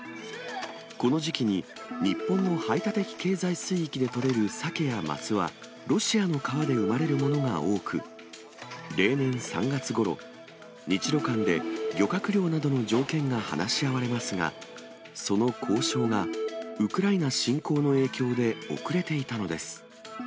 この時期に、日本の排他的経済水域で取れるサケやマスは、ロシアの川で生まれるものが多く、例年３月ごろ、日ロ間で漁獲量などの条件が話し合われますが、その交渉がウクライナ侵攻の影響で遅れていたのです。